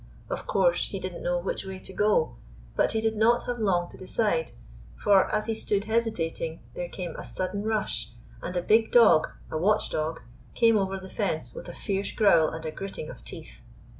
Of course, he did n't know which way to go; but he did not have long to decide ; for, as he stood hesitating, there came a sudden rush, and a big dog — a watchdog — came over the fence with a fierce growl and a gritting of teeth.